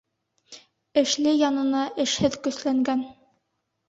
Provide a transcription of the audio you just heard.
Эшле янына эшһеҙ көсләнгән.